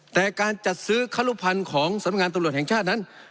แต่การจัดซื้อครุพันธ์ของสำงานตำรวจแห่งชาตินั้น